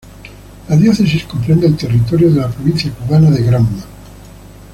La diócesis comprende el territorio de la provincia cubana de Granma.